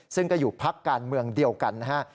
ซึ่งก็อยู่พักการเมืองเดียวกันนะฮะ